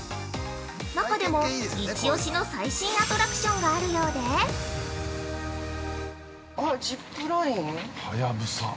中でも一推しの最新アトラクションがあるようで◆あっ、ジップライン？◆ハヤブサ。